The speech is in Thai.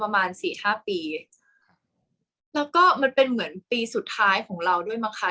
ประมาณสี่ห้าปีแล้วก็มันเป็นเหมือนปีสุดท้ายของเราด้วยมั้งคะ